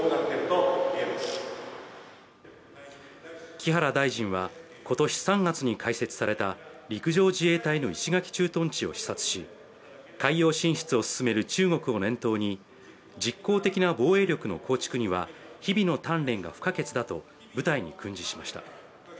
木原大臣は今年３月に開設された陸上自衛隊の石垣駐屯地を視察し、海洋進出を進める中国を念頭に実効的な防衛力の構築には日比の鍛錬が不可欠だと部隊に訓示しました。